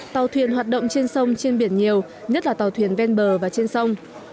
tàu thuyền hoạt động trên sông trên biển nhiều nhất là tàu thuyền ven bờ và trên sông